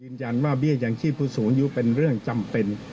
เบี้ยยังชีพผู้สูงอายุเป็นเรื่องจำเป็น